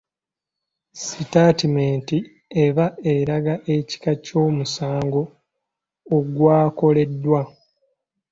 Sitaatimenti eba eraga ekika ky'omusango ogwakoleddwa.